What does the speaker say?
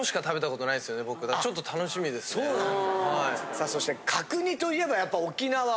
さあそして角煮といえばやっぱり沖縄。